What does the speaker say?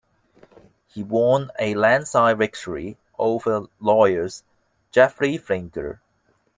He won a landslide victory over lawyer Geoffrey Fieger.